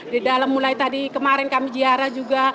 di dalam mulai tadi kemarin kami ziarah juga